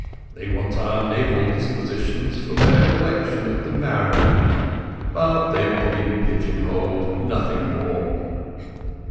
They want our naval dispositions for their collection at the Marineamt; but they will be pigeon holed—nothing more."